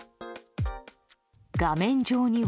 画面上には。